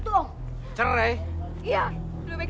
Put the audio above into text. oh ya itu om